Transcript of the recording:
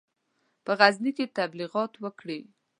په غزني کې تبلیغات وکړي.